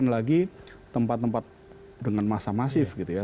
apalagi tempat tempat dengan masa masif gitu ya